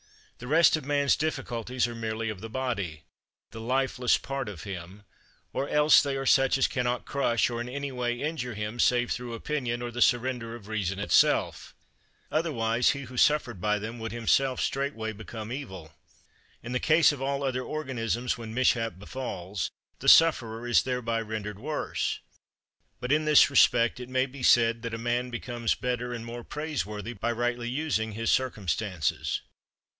The rest of man's difficulties are merely of the body, the lifeless part of him; or else they are such as cannot crush, or in any way injure him save through opinion, or the surrender of reason itself: otherwise he who suffered by them would himself straightway become evil. In the case of all other organisms, when mishap befalls, the sufferer is thereby rendered worse. But in this respect it may be said that a man becomes better and more praiseworthy by rightly using his circumstances.